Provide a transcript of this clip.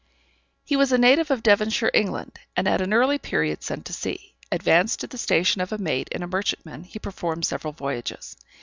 He was a native of Devonshire (Eng.), and at an early period sent to sea; advanced to the station of a mate in a merchantman, he performed several voyages.